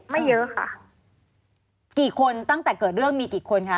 ไม่เยอะค่ะกี่คนตั้งแต่เกิดเรื่องมีกี่คนคะ